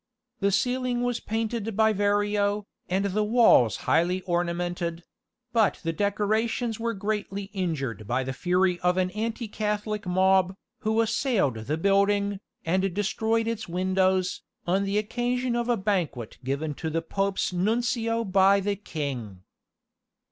The ceiling was painted by Verrio, and the walls highly ornamented; but the decorations were greatly injured by the fury of an anti Catholic mob, who assailed the building, and destroyed its windows, on the occasion of a banquet given to the Pope's nuncio by the king.